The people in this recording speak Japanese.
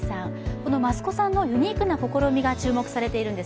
この益子さんのユニークな試みが注目されているんです。